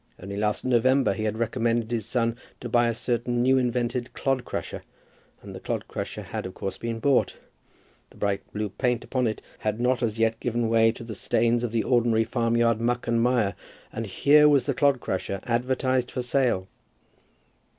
Only last November he had recommended his son to buy a certain new invented clod crusher, and the clod crusher had of course been bought. The bright blue paint upon it had not as yet given way to the stains of the ordinary farmyard muck and mire; and here was the clod crusher advertised for sale!